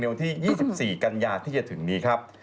วันที่๒๔กันยาที่จะถึงนี้ครับ